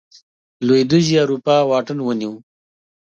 لوېدیځې اروپا واټن ونیو.